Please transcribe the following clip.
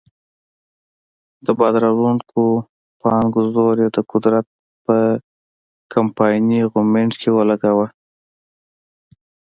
د باد راوړو پانګو زور یې د قدرت په کمپایني غویمنډ کې ولګاوه.